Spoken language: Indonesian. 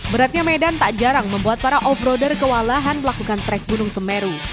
beratnya medan tak jarang membuat para off roader kewalahan melakukan trek gunung semeru